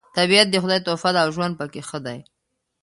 طبیعت د خدای تحفه ده او ژوند پکې ښه دی